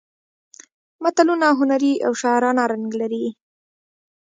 متلونه هنري او شاعرانه رنګ لري